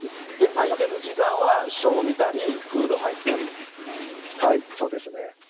空いてる時間は、ショーを見たり、はい、そうですね。